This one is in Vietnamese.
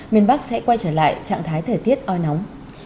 miền bắc sẽ quay trở lại trạng thái thời tiết oi nóng